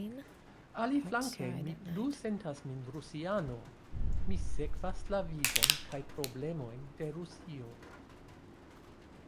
Aliflanke, mi plu sentas min rusiano: mi sekvas la vivon kaj problemojn de Rusio.